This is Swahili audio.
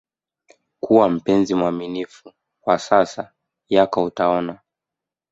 kuwa mpenzi mwaminifu kwa sasa yako utaona